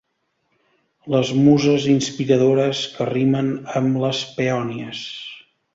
Les muses inspiradores que rimen amb les peònies.